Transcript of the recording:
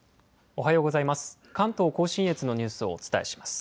おはようございます。